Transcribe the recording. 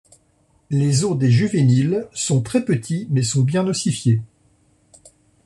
Les os des juvéniles sont très petits mais sont bien ossifiés.